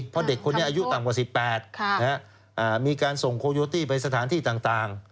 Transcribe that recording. เพราะเด็กคนนี้อายุต่ำกว่าสิบแปดค่ะอ่ามีการส่งโคโยตี้ไปสถานที่ต่างต่าง